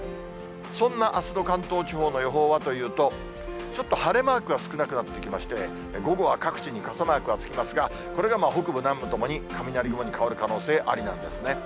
そんなあすの関東地方の予報はというと、ちょっと晴れマークが少なくなってきまして、午後は各地に傘マークがつきますが、これが北部、南部ともに雷雲に変わる可能性ありなんですね。